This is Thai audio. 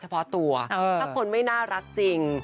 เฉพาะตัวถ้าคนไม่น่ารักจริง